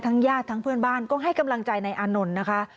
ทั้งญาติทั้งเพื่อนบ้านก็ให้กำลังใจในอำนลนะคะ